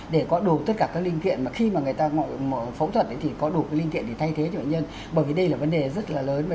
để có đủ tất cả các linh kiện mà khi mà người ta gọi phẫu thuật thì có đủ linh kiện để thay thế cho bệnh nhân bởi vì đây là vấn đề rất là lớn